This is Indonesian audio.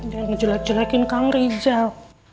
dia ngejelekin kang rizal